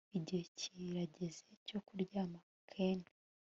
Igihe kirageze cyo kuryama Ken